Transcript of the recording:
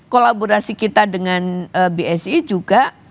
kolaborasi kita dengan bsi juga